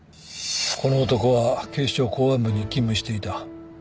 この男は警視庁公安部に勤務していた。